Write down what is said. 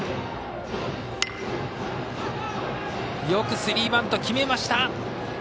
よくスリーバント、決めました。